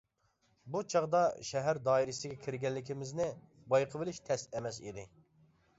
بۇ چاغدا شەھەر دائىرىسىگە كىرگەنلىكىمىزنى بايقىۋېلىش تەس ئەمەس ئىدى.